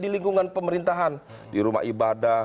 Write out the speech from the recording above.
di lingkungan pemerintahan di rumah ibadah